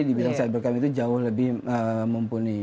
dibilang cybercam itu jauh lebih mumpuni